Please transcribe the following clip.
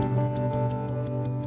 jangan lupa jangan lupa